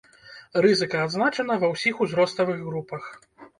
Рызыка адзначана ва ўсіх узроставых групах.